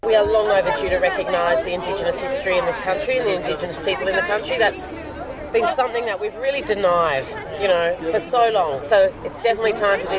dan saya mendengarkan negara ini karena kita memiliki status ekonomi sosial yang paling rendah di australia